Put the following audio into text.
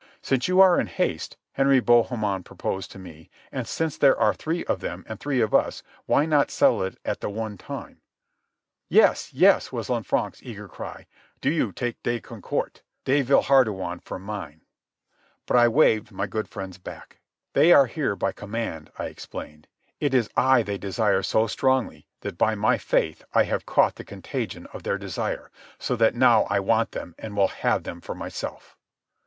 "Since you are in haste," Henry Bohemond proposed to me, "and since there are three of them and three of us, why not settle it at the one time?" "Yes, yes," was Lanfranc's eager cry. "Do you take de Goncourt. De Villehardouin for mine." But I waved my good friends back. "They are here by command," I explained. "It is I they desire so strongly that by my faith I have caught the contagion of their desire, so that now I want them and will have them for myself."